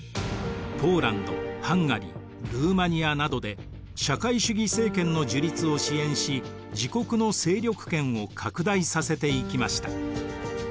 ポーランドハンガリールーマニアなどで社会主義政権の樹立を支援し自国の勢力圏を拡大させていきました。